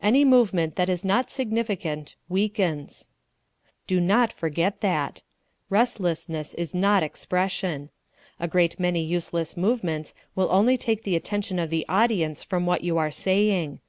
Any Movement that is not Significant, Weakens Do not forget that. Restlessness is not expression. A great many useless movements will only take the attention of the audience from what you are saying.